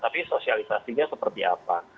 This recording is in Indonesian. tapi sosialisasinya seperti apa